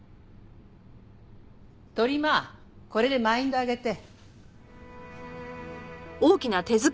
とりまこれでマインド上げて。